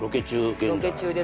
現在ロケ中です